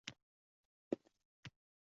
Ayol xona burchagidagi shkafni ochdi.